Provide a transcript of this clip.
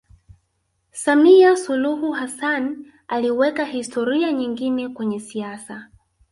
samia suluhu hassan aliweka historia nyingine kwenye siasa